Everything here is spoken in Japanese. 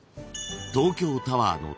［東京タワーの］